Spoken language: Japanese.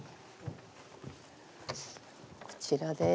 こちらです。